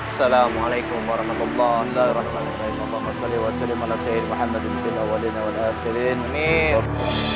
assalamualaikum warahmatullah wa rahmatullah wa barakatuh